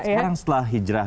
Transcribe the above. nah ini sekarang setelah hijrah